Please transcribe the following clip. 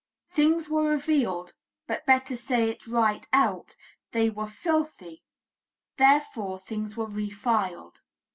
"Things were revealed, but better say it right out, they were filthy, therefore, things were refiled."